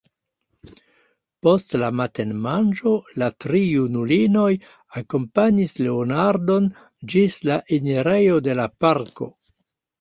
Post la matenmanĝo la tri junulinoj akompanis Leonardon ĝis la enirejo de la parko.